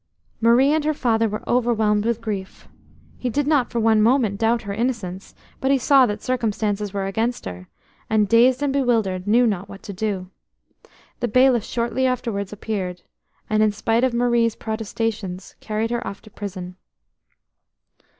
Marie and her father were overwhelmed with grief. He did not for one moment doubt her innocence, but he saw that circumstances were against her, and, dazed and bewildered, knew not what to do. The bailiff shortly afterwards appeared, and in spite of Marie's protestations carried her off to prison.